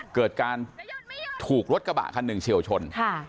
เกิดการถูกรถกระบะคันหนึ่งเฉียวชน